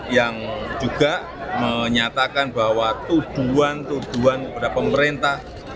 yang juga menyatakan bahwa tuduhan tuduhan kepada pemerintah